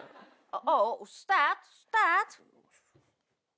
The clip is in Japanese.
オスタート？スタート？